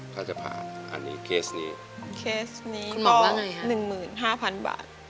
ถ้าจะผ่าอันนี้เคสนี้เคสนี้คุณหมอบอกว่าไงครับหนึ่งหมื่นห้าพันบาท